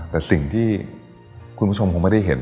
แต่สิ่งที่คุณผู้ชมคงไม่ได้เห็น